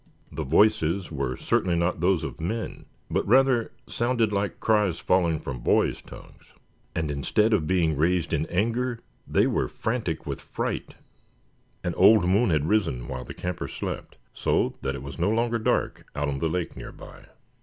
The voices were certainly not those of men, but rather sounded like cries falling from boys' tongues. And instead of being raised in anger, they were frantic with fright! An old moon had risen while the campers slept, so that it was no longer dark out on the lake near by.